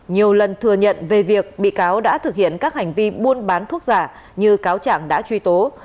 nhiều lần thừa nhận về việc bị cáo đã thực hiện các hành vi buôn bán thuốc giả như cáo trạng đã truy tố